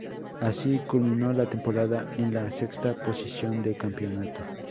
Así, culminó la temporada en la sexta posición de campeonato.